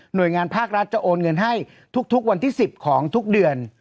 โดยงานภาครัฐจะโอนเงินให้ทุกวันที่๑๐ของทุกเดือน